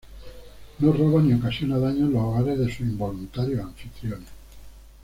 No roba ni ocasiona daños en los hogares de sus involuntarios anfitriones.